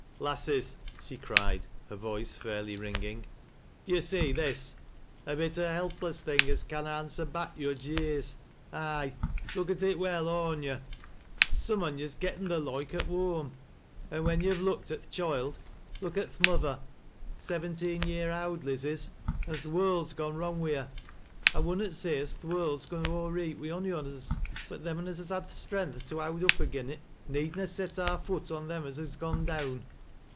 " Lasses," she cried, her voice fairly ringing, " do yo gee this ? A bit o' a helpless thing as canna answer baels yo're jeers ! Aye ! look at it well, aw on yo'. Some on yo's get ten th' loike at whoam. An' when yo'\e looked at th' choild, look at th' mother ! Seventeen year owd, Liz is, an' th' world's gone wrong wi' her. I wunnot say as th' world's gone ower reet wi' ony on ns ; but them on us as has had th' strength to howd up agen it, need na set our foot on them as has gone down.